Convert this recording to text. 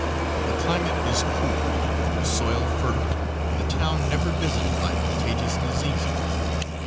The climate is cool, the soil fertile, and the town never visited by contagious diseases.